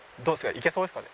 いけそうですかね？